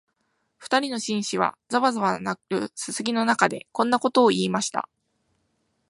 二人の紳士は、ざわざわ鳴るすすきの中で、こんなことを言いました